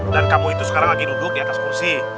dan kamu itu sekarang lagi duduk di atas kursi